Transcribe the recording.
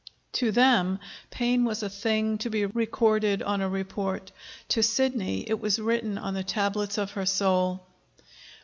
To them, pain was a thing to be recorded on a report; to Sidney, it was written on the tablets of her soul.